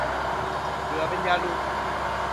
เบื่อเป็นยารุ